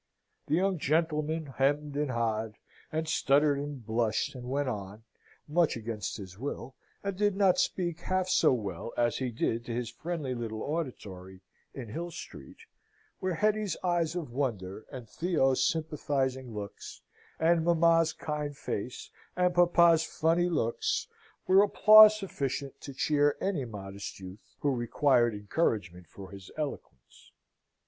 The young gentleman hem'd and ha'd, and stuttered, and blushed, and went on, much against his will, and did not speak half so well as he did to his friendly little auditory in Hill Street, where Hetty's eyes of wonder and Theo's sympathising looks, and mamma's kind face, and papa's funny looks, were applause sufficient to cheer any modest youth who required encouragement for his eloquence.